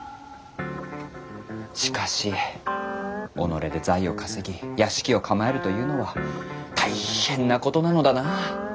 しかし己で財を稼ぎ屋敷を構えるというのは大変なことなのだな。